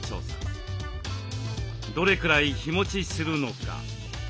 「どれくらい日もちするのか」